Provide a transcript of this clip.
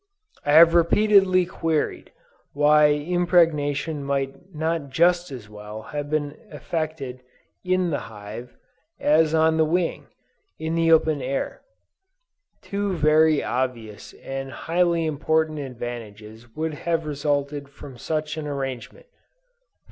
I have repeatedly queried, why impregnation might not just as well have been effected in the hive, as on the wing, in the open air. Two very obvious and highly important advantages would have resulted from such an arrangement.